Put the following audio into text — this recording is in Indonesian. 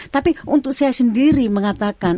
tapi untuk saya sendiri mengatakan